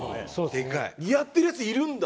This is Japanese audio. やってるヤツいるんだ！